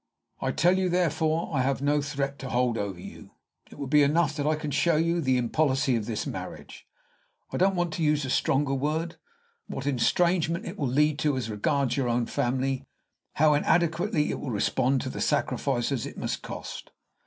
I tell you, therefore, I have no threat to hold over you. It will be enough that I can show you the impolicy of this marriage, I don't want to use a stronger word, what estrangement it will lead to as regards your own family, how inadequately it will respond to the sacrifices it must cost."